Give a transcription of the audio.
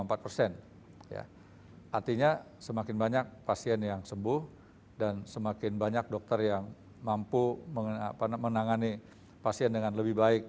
artinya semakin banyak pasien yang sembuh dan semakin banyak dokter yang mampu menangani pasien dengan lebih baik